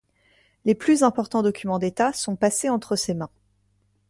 Les plus importants documents d'État sont passés entre ses mains.